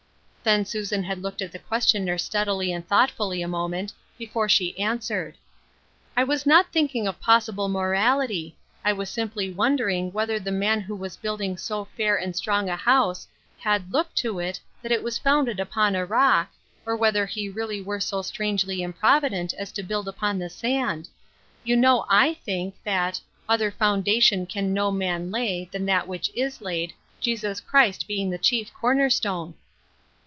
" Then Susan had looked at the questioner steadily and thoughtfully a moment before she answered :" I was not thinking of possible morality ; I was simply wondering whether the man who was building so fair and strong a house had looked to it, that it was founded upon a /ock, or whether he really were so strangely im provident as to build upon the sand. You know I think, that, ' other foundation can no man lay than that which is laid, Jesus Christ being the chief corner stone.'